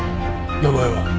名前は？